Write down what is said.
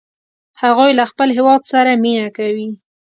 هغوی له خپل هیواد سره مینه کوي